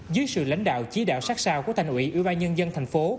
dưới sự lãnh đạo chí đạo sát sao của thành ủy ưu ba nhân dân thành phố